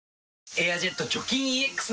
「エアジェット除菌ＥＸ」